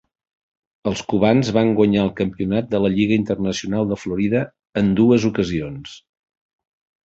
Els Cubans van guanyar el campionat de la Lliga Internacional de Florida en dues ocasions.